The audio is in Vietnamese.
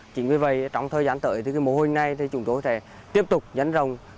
chính vì vậy trong thời gian tới mùa huynh này chúng tôi sẽ tiếp tục nhấn rồng